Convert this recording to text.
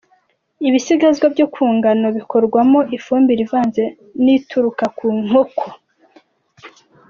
Ibisigazwa byo ku ngano bikorwamo ifumbire ivanze n'ituruka ku nkoko.